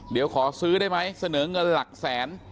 เดี๋ยวขอซื้อได้ไหมเสนอเงินหลักแสน